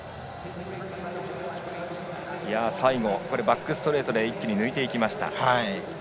最後バックストレートで一気に抜いていきました。